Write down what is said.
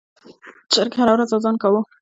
چرګ هره ورځ اذان کاوه.